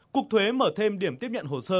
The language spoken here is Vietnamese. cục thuế mở thêm điểm tiếp nhận hồ sơ